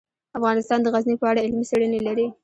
افغانستان د غزني په اړه علمي څېړنې لري.